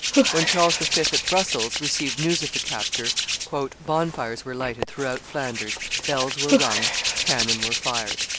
When Charles V., at Brussels, received news of the capture, "bonfires were lighted throughout Flanders; bells were rung, cannon were fired."